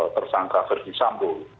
tersangka verdi sambu